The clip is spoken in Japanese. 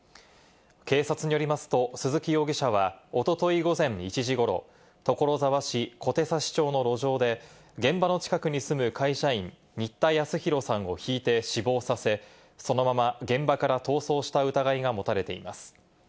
警察によりますと、鈴木容疑者はおととい午前１時ごろ、所沢市小手指町の路上で、現場の近くに住む会社員・新田恭弘さんをひいて死亡させ、そのまま現場から逃走した疑いが持たれています。